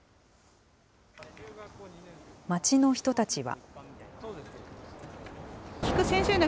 街の人たちは。